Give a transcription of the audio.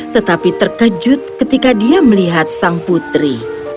tetapi terkejut ketika dia melihat sang putri